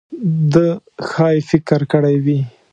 ده ښايي فکر کړی وي.